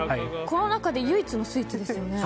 この中で唯一のスイーツですよね。